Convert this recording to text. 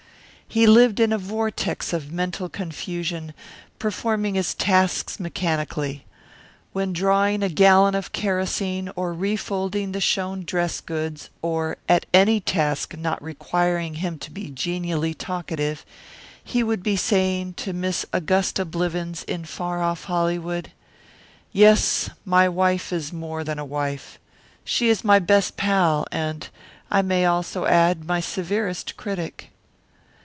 He lived in a vortex of mental confusion, performing his tasks mechanically. When drawing a gallon of kerosene or refolding the shown dress goods, or at any task not requiring him to be genially talkative, he would be saying to Miss Augusta Blivens in far off Hollywood, "Yes, my wife is more than a wife. She is my best pal, and, I may also add, my severest critic."